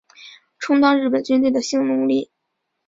充当日本军队的性奴隶